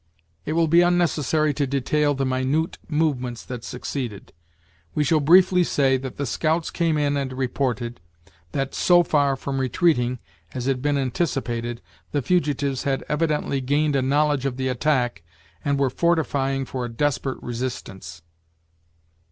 It will be unnecessary to detail the minute movements that succeeded. We shall briefly say, that the scouts came in and reported, that, so far from retreating, as had been anticipated, the fugitives had evidently gained a knowledge of the attack, and were fortifying for a desperate resistance.